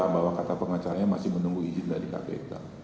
bahwa kata pengacaranya masih menunggu izin dari kpk